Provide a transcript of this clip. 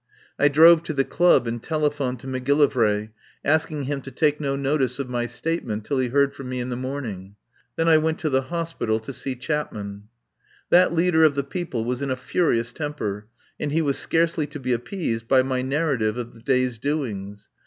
I drove to the club and telephoned to Mac gillivray, asking him to take no notice of my statement till he heard from me in the morn ing. Then I went to the hospital to see Chap man. That leader of the people was in a furious temper and he was scarcely to be appeased by my narrative of the day's doings.